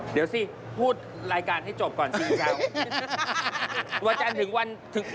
เดี๋ยวสิพูดรายการที่จบก่อนซีนเจ้า